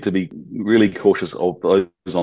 tapi kita harus berhati hati dengan mereka